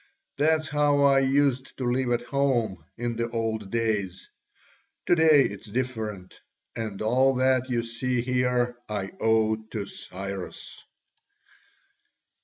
That's how I used to live at home, in the old days: to day it's different, and all that you see here I owe to Cyrus."